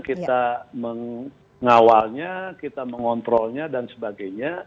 kita mengawalnya kita mengontrolnya dan sebagainya